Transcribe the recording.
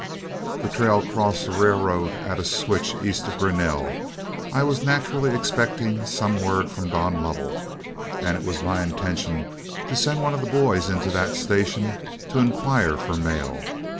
The trail crossed the railroad at a switch east of Grinnell. I was naturally expecting some word from Don Lovell, and it was my intention to send one of the boys into that station to inquire for mail.